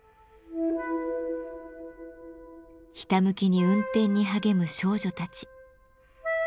ひたむきに運転に励む少女たち。